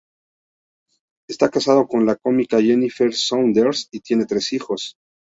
Está casado con la cómica Jennifer Saunders y tienen tres hijos.